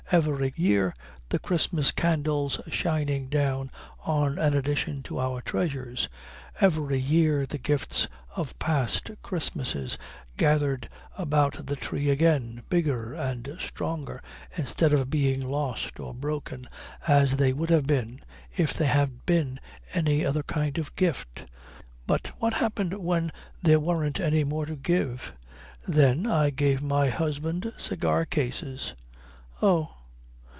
"Every year the Christmas candles shining down on an addition to our treasures. Every year the gifts of past Christmases gathered about the tree again, bigger and stronger instead of being lost or broken as they would have been if they had been any other kind of gift." "But what happened when there weren't any more to give?" "Then I gave my husband cigar cases." "Oh."